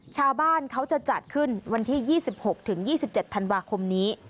ชาวบ้านเขาจะจัดขึ้นวันที่ยี่สิบหกถึงยี่สิบเจ็ดธันวาคมนี้